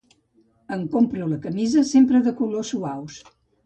Em compro la camisa sempre de colors suaus.